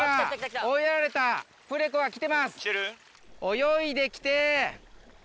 泳いで来て。